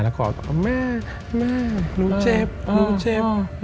แล้วก็เอาตัวมาหนูเจ็บ